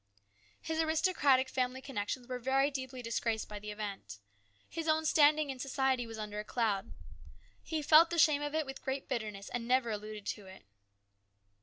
His aristocratic family connections were very deeply disgraced by the event. His own standing in society was under a cloud. He felt the shame of it with great bitterness and never alluded to it.